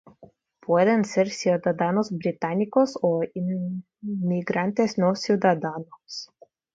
Pueden ser ciudadanos británicos o inmigrantes no ciudadanos.